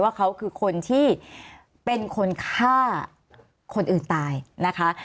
ว่าเขาคือคนที่เป็นคนฆ่าคนอื่นตายนะคะ